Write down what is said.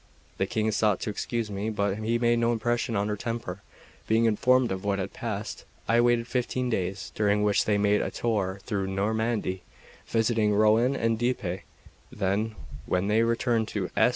The King sought to excuse me, but he made no impression on her temper. Being informed of what had passed, I waited fifteen days, during which they made a tour through Normandy, visiting Rouen and Dieppe; then, when they returned to S.